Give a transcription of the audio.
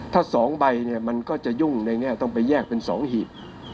ถ้า๒ใบเนี่ยมันก็จะยุ่งในแง่ต้องไปแยกเป็น๒หีบ